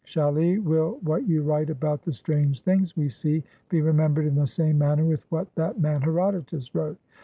Chally, will what you WTite about the strange things we see be remem bered in the same manner with what that man Herodotus wrote?"